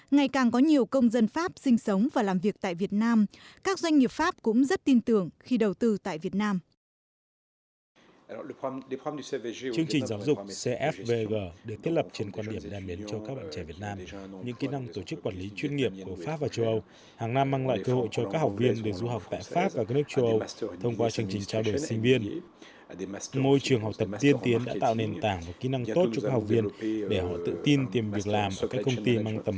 ngày càng có nhiều công dân pháp sinh sống và làm việc tại việt nam các doanh nghiệp pháp cũng rất tin tưởng khi đầu tư tại việt nam